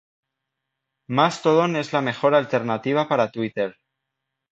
Mastodon es la mejor alternativa para Twitter